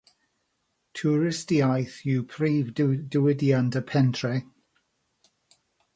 Twristiaeth yw prif ddiwydiant y pentref.